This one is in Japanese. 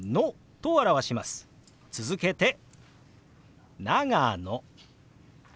続けて「長野」。